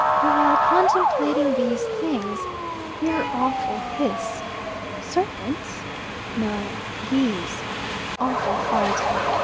While contemplating these things, hear awful hiss. Serpents! No, geese. Awful fight.